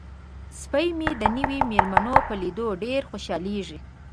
سپی مې د نویو میلمنو په لیدو ډیر خوشحالیږي.